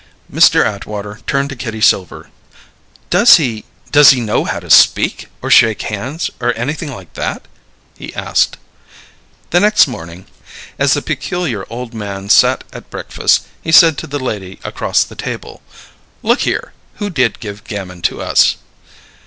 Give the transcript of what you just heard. Mr. Atwater turned to Kitty Silver. "Does he does he know how to speak, or shake hands, or anything like that?" he asked. The next morning, as the peculiar old man sat at breakfast, he said to the lady across the table: "Look here. Who did give Gamin to us?"